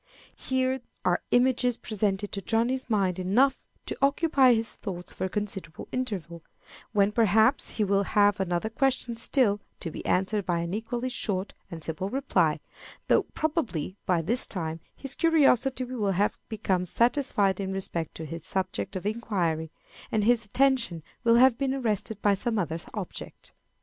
Here are images presented to Johnny's mind enough to occupy his thoughts for a considerable interval, when perhaps he will have another question still, to be answered by an equally short and simple reply; though, probably, by this time his curiosity will have become satisfied in respect to his subject of inquiry, and his attention will have been arrested by some other object.